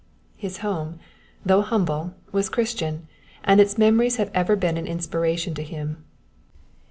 His home, though humble, was Christian, and its memories have ever been an inspiration to him.